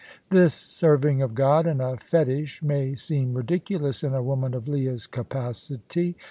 This serving of God and a fetish may seem ridiculous in a woman of Leah's capacity.